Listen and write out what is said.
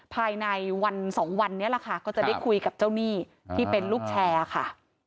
ภายในวันสองวันนี้แหละค่ะก็จะได้คุยกับเจ้าหนี้ที่เป็นลูกแชร์ค่ะ